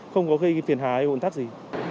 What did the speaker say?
không có gây phiền hà hay ồn tắc gì